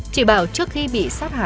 chị bảo trước khi bị